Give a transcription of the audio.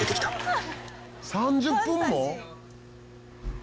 「３０分も？」